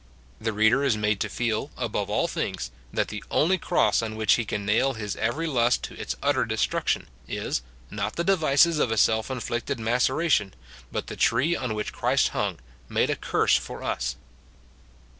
The reader is made to feel, above all things, that the only cross on which he can nail his every lust to its utter destruction, is, not the devices of a self inflicted maceration, but the tree on which Christ hung, made a curse for us.